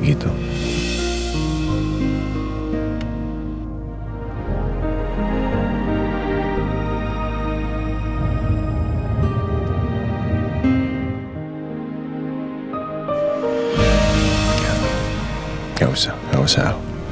gak usah gak usah al